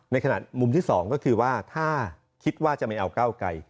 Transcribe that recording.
ในขณะมุมที่สองถ้าคิดว่าจะมาเอาเก้าใกล้